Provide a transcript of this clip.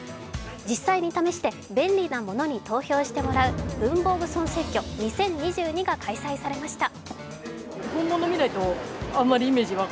実際に試して便利なものに投票してもらう文房具総選挙２０２２が開催されました。